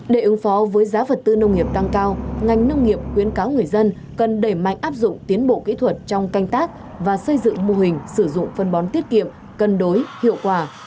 để ứng phó với giá vật tư nông nghiệp tăng cao ngành nông nghiệp khuyến cáo người dân cần đẩy mạnh áp dụng tiến bộ kỹ thuật trong canh tác và xây dựng mô hình sử dụng phân bón tiết kiệm cân đối hiệu quả